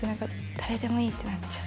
誰でもいいってなっちゃう。